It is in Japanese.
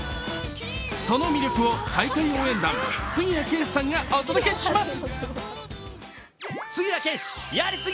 その魅力を大会応援団・杉谷拳士さんがお届けします。